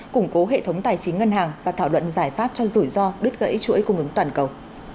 củng cố hệ thống tài chính ngân hàng và thảo luận giải pháp cho rủi ro đứt gãy chuỗi cung ứng toàn cầu